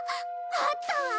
あったわ！